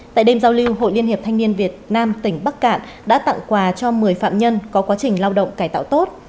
tại đêm giao lưu hội liên hiệp thanh niên việt nam tỉnh bắc cạn đã tặng quà cho một mươi phạm nhân có quá trình lao động cải tạo tốt